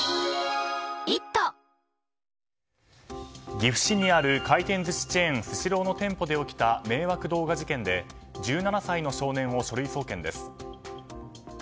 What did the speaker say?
岐阜市にある回転寿司チェーンスシローの店舗で起きた迷惑動画事件で１７歳の少年を書類送検です。